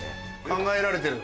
考えられてる。